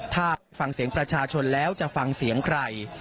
ถ้าฟังเสียงประชาชนแล้วจะฟังเสียงใคร